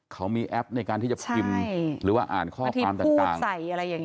เขามีแอปในการที่จะพิมพ์หรืออ่านข้อความต่าง